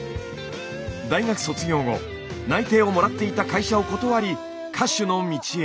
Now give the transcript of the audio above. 大学卒業後内定をもらっていた会社を断り歌手の道へ。